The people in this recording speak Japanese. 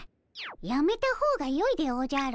やめた方がよいでおじゃる。